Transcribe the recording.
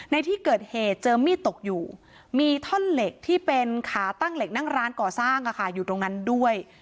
ในที่เกิดเหตุเจอมีดตกอยู่มีท่อนเหล็กที่เป็นขาตั้งเหล็กนั่งร้านก่อสร้างอยู่ตรงนั้นด้วย